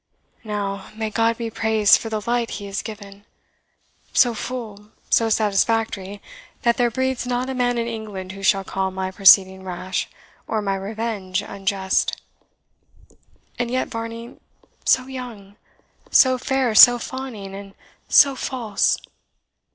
"Now, may God be praised for the light He has given! so full, so satisfactory, that there breathes not a man in England who shall call my proceeding rash, or my revenge unjust. And yet, Varney, so young, so fair, so fawning, and so false!